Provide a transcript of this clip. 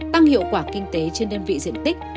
tăng hiệu quả kinh tế trên đơn vị diện tích